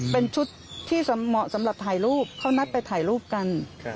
เป็นชุดที่เหมาะสำหรับถ่ายรูปเขานัดไปถ่ายรูปกัน